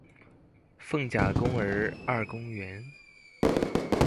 鳳甲公兒二公園